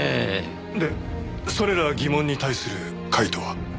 でそれら疑問に対する解答は？